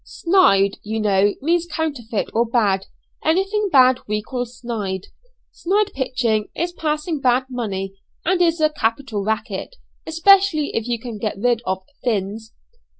'" "Snyde, you know, means counterfeit or bad, anything bad we call snydey. Snyde pitching is passing bad money; and is a capital racket, especially if you can get rid of 'fins.'"